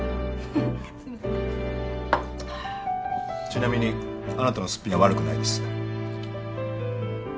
ちなみにあなたのすっぴんは悪くないです。